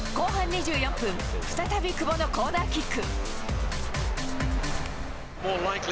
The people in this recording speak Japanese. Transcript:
後半２４分、再び久保のコーナーキック。